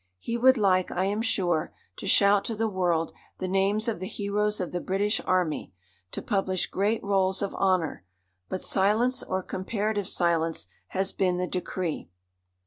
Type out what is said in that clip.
He would like, I am sure, to shout to the world the names of the heroes of the British Army, to publish great rolls of honour. But silence, or comparative silence, has been the decree.